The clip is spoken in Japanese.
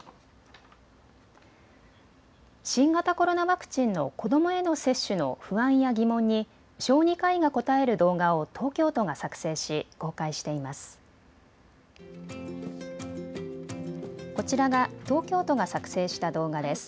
新型コロナワクチンの子どもへの接種の不安や疑問に小児科医が答える動画を東京都が作成し、公開しています。